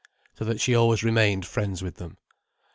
So that she always remained friends with them.